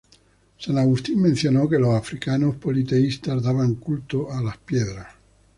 San Agustín mencionó que los africanos politeístas daban culto a las piedras.